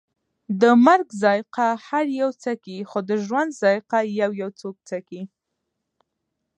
د مرګ ذائقه هر یو څکي، خو د ژوند ذائقه یویو څوک څکي